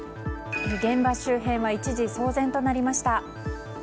現場周辺は一時騒然となりました。